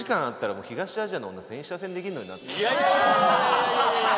いやいやいやいや！